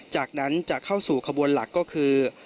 จากนั้นจะเข้าสู่ขบวนหลักก็คือ